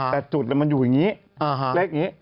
แต่จุดมันอยู่อย่างนี้